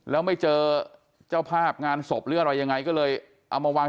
แล้วไม่เจอเจ้าภาพงานศพหรืออะไรยังไงก็เลยเอามาวาง